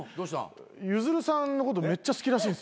ゆずるさんのことめっちゃ好きらしいんですよ。